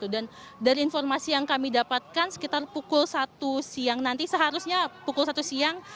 dari informasi yang kami dapatkan sekitar pukul satu siang nanti seharusnya pukul satu siang